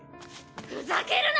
ふざけるな！